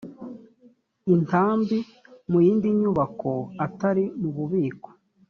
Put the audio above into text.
intambi mu yindi nyubako atari mu bubiko